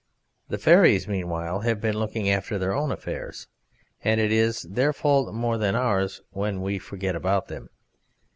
The fairies meanwhile have been looking after their own affairs, and it is their fault more than ours when we forget about them.